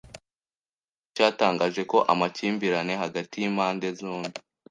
Ikinyamakuru cyatangaje ko amakimbirane hagati y’impande zombi.